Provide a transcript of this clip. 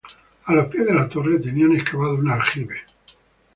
A los pies de la torre tenían excavado un aljibe.